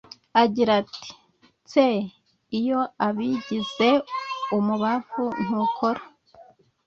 agira ati:’’Tse Iyo abigize umubavu ntukora